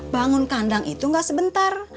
bangun kandang itu nggak sebentar